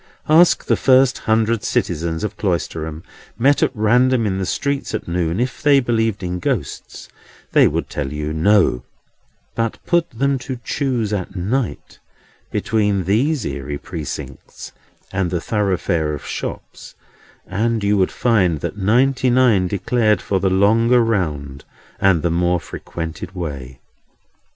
Ask the first hundred citizens of Cloisterham, met at random in the streets at noon, if they believed in Ghosts, they would tell you no; but put them to choose at night between these eerie Precincts and the thoroughfare of shops, and you would find that ninety nine declared for the longer round and the more frequented way.